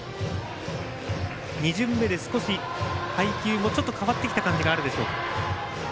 ２巡目で少し配球も変わってきた感じもあるでしょうか。